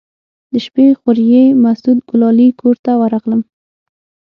د شپې خوريي مسعود ګلالي کور ته ورغلم.